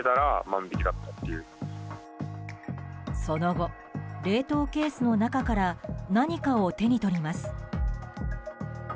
その後、冷凍ケースの中から何かを手に取ります。